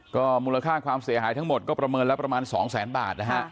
ก็มูลค่าความเสียหายทั้งหมดก็ประเมินแล้วประมาณ๒แสนบาทนะฮะ